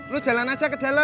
lo jalan aja ke dalam